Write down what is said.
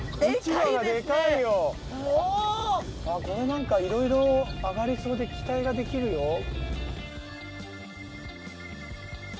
これなんかいろいろ揚がりそうで期待ができるよ。